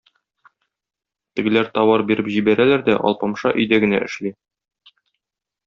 Тегеләр товар биреп җибәрәләр дә, Алпамша өйдә генә эшли.